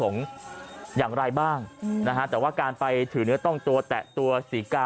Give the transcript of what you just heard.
อย่างไรบ้างนะฮะแต่ว่าการไปถือเนื้อต้องตัวแตะตัวศรีกา